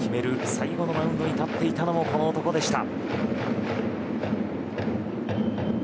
最後のマウンドに立っていたのもこの男でした。